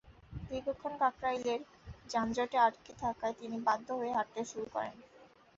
দীর্ঘক্ষণ কাকরাইলের যানজটে আটকে থাকায় তিনি বাধ্য হয়ে হাঁটতে শুরু করেন।